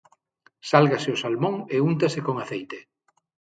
Sálgase o salmón e úntase con aceite.